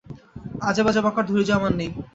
আজেবাজে বকার ধৈর্য আমার নেই।